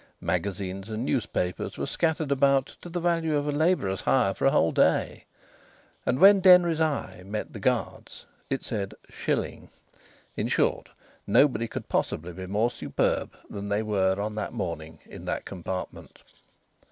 Magazines and newspapers were scattered about to the value of a labourer's hire for a whole day; and when Denry's eye met the guard's it said "shilling." In short, nobody could possibly be more superb than they were on that morning in that compartment.